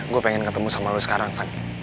gue pengen ketemu sama lo sekarang fadli